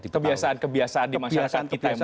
kebiasaan kebiasaan di masyarakat kita yang